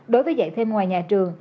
đối với dạy thêm ngoài nhà trường